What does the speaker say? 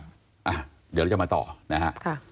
เดี๋ยวเราจะมาต่อนะฮะ